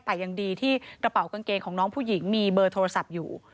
แต่ยังดีที่กระเป๋ากางเกงของน้องผู้หญิงมีเบอร์โทรศัพท์อยู่